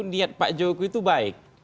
niat pak jokowi itu baik